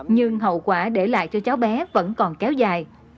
nhưng hậu quả để lại cho cháu bé vẫn còn kéo dài